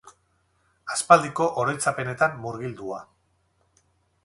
Aspaldiko oroitzapenetan murgildua.